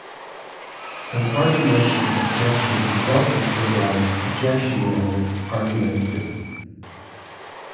An "argumentative" objection is often stated as "Objection, your Honor, argumentative.".